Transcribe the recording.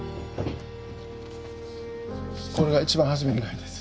これが一番初めに描いたやつです。